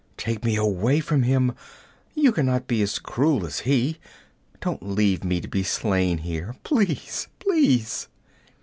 Take me away from him! You can not be as cruel as he. Don't leave me to be slain here! Please! Please!'